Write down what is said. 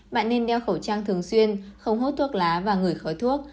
bạn nên đeo khẩu trang thường xuyên không hốt thuốc lá và ngửi khói thuốc